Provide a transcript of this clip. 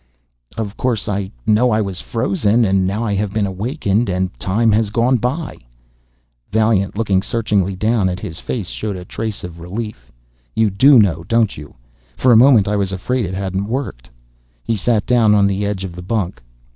_Of course I know. I was frozen, and now I have been awakened and time has gone by _ Vaillant, looking searchingly down at his face, showed a trace of relief. "You do know, don't you? For a moment I was afraid it hadn't worked." He sat down on the edge of the bunk.